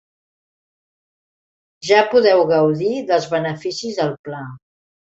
Ja podeu gaudir dels beneficis del pla.